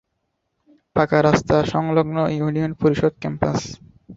পাকা রাস্তা সংলগ্ন ইউনিয়ন পরিষদ ক্যাম্পাস।